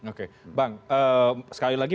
oke bang sekali lagi